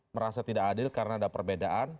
merasa tidak adil karena ada perbedaan